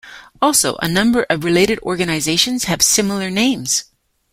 Also, a number of related organisations have similar names.